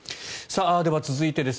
では、続いてです。